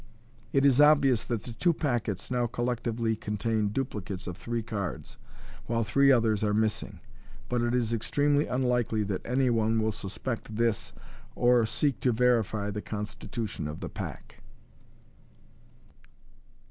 It is obvious that the two packets now collectively contain dupli cates of three cards, while three others are missing; but it is extremely unlikely that any one will suspect this, or seek to verifj the constitution of the pack.